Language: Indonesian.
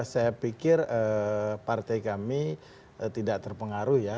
saya pikir partai kami tidak terpengaruh ya